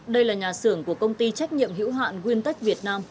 đây là nhà xưởng của công ty trách nhiệm hữu hạn quyên tách việt nam